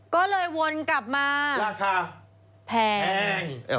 ก็เลยวนกลับมา